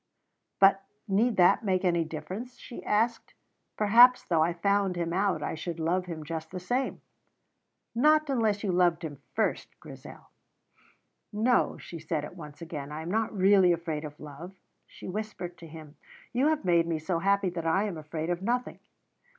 "But need that make any difference?" she asked. "Perhaps though I found him out I should love him just the same." "Not unless you loved him first, Grizel." "No," she said at once again. "I am not really afraid of love," she whispered to him. "You have made me so happy that I am afraid of nothing."